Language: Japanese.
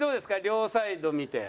両サイド見て。